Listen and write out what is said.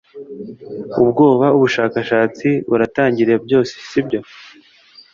ubwoba ubushakashatsi buratangira byose sibyo